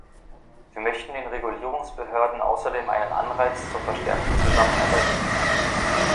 Wir möchten den Regulierungsbehörden außerdem einen Anreiz zur verstärkten Zusammenarbeit bieten.